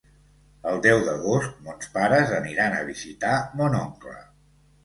El deu d'agost mons pares aniran a visitar mon oncle.